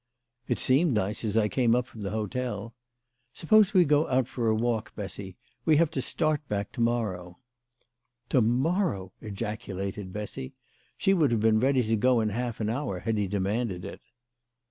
" It seemed nice as I came up from the hotel. Sup pose we go out for a walk, Bessy. We have to start back to morrow." "To morrow !" ejaculated Bessy. She would have been ready to go in half an hour had he demanded it.